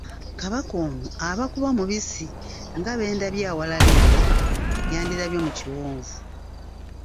Kabaka ono aba kuba mubisi nga be ndabyeko awalala eyo, yandirabye mu kiwonvu.